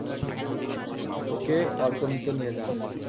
ওকে অর্কনিতে নিয়ে যান।